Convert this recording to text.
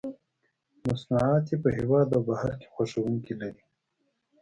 مصنوعات یې په هېواد او بهر کې خوښوونکي لري.